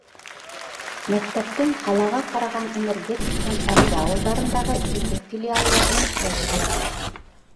Мәктәптең ҡалаға ҡараған Энергетик һәм Әмзә ауылдарындағы ике филиалы ла уңышлы эшләй.